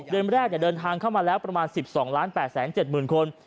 เดือนแรกเดินทางเข้ามาแล้วประมาณ๑๒๘๗๐๐คน